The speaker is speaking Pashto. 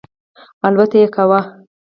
الوت یې کاوه.